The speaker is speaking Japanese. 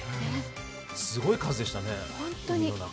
すごい数でしたね、海の中。